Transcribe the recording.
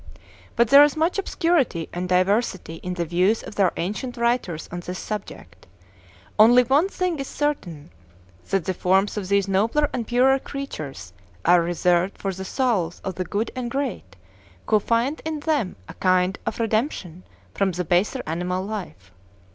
But there is much obscurity and diversity in the views of their ancient writers on this subject. Only one thing is certain, that the forms of these nobler and purer creatures are reserved for the souls of the good and great, who find in them a kind of redemption from the baser animal life.